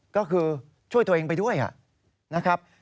ก็คือช่วยตัวเองไปด้วยนะครับ